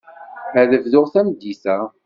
Ad bduɣ tameddit-a.